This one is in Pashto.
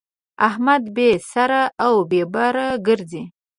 احمد بې سره او بې بره ګرځي.